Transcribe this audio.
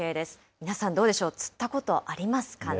皆さんどうでしょう、釣ったことありますかね。